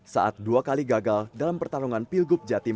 saat dua kali gagal dalam pertarungan pilgub jatim